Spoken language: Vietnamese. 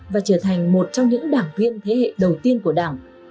và trở thành một trong những đảng viên thế hệ đầu tiên của đảng